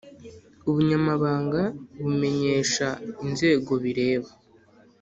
Ubunyamabanga bumenyesha inzego bireba